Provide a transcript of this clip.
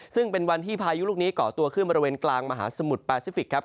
ซึ่งเป็นวันที่พายุลูกนี้ก่อตัวขึ้นบริเวณกลางมหาสมุทรแปซิฟิกครับ